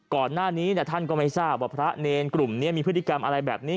ก่อนหน้านี้ท่านก็ไม่ทราบว่าพระเนรกลุ่มนี้มีพฤติกรรมอะไรแบบนี้